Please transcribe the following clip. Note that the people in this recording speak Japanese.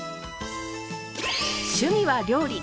趣味は料理。